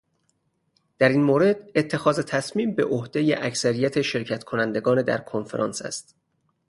در این مورد اتخاذ تصمیم بعهدهٔ اکثریت شرکت کنندگان در کنفرانس است.